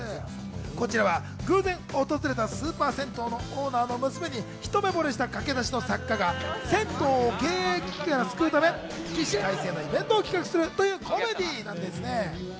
こちらは偶然訪れたスーパー銭湯のオーナーの娘に一目惚れした駆け出しの作家が銭湯を経営危機から救うため、起死回生のイベントを企画するというコメディーです。